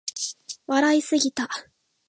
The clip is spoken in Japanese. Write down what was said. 笑いすぎた